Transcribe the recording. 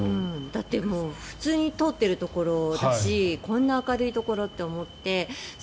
だって普通に通っているところだしこんな明るいところと思って。